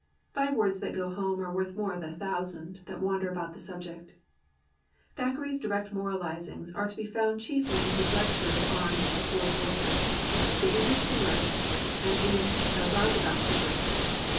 Five words that go home are worth more than a thousand that wander about the subject. Thackeray's direct moralizings are to be found chiefly in his lectures on "The Four Georges," "The English Humourists," and in the "Roundabout Papers."